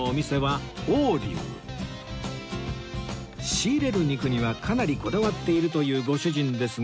仕入れる肉にはかなりこだわっているというご主人ですが